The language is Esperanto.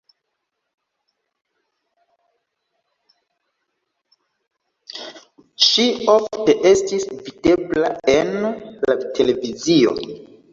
Ŝi ofte estis videbla en la televizio.